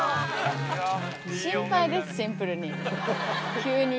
心配です、シンプルに。